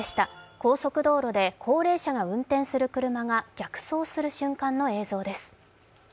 高速道路で高齢者が運転する車が逆走する瞬間の映像です。